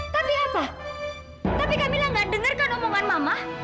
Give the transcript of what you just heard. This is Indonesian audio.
tapi apa tapi kamilah nggak dengarkan omongan mama